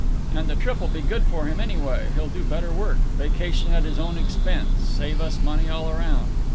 And the trip'll be good for him, anyway—he'll do better work—vacation at his own expense—save us money all round.